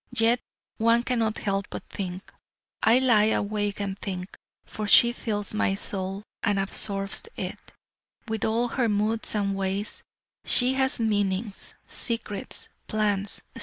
Yet one cannot help but think: I lie awake and think, for she fills my soul, and absorbs it, with all her moods and ways. She has meanings, secrets, plans.